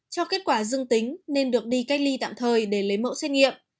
cho kết quả dương tính nên được đi cách ly tạm thời để lấy mẫu xét nghiệm